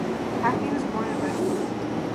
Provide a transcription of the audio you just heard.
Hackney was born in Redcar.